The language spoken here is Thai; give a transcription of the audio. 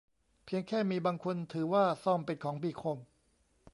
เพียงแค่มีบางคนถือว่าส้อมเป็นของมีคม